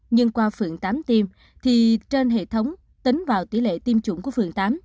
nhưng qua phượng tám tiêm thì trên hệ thống tính vào tỷ lệ tiêm chủng của phường tám